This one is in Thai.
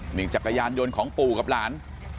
จักรยานยนต์ของปู่กับหลาน